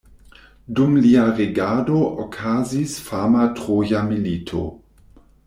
Dum lia regado okazis fama Troja milito.